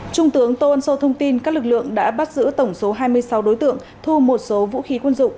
trung tướng tô ân sô thông tin các lực lượng đã bắt giữ tổng số hai mươi sáu đối tượng thu một số vũ khí quân dụng